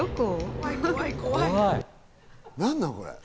何なのこれ？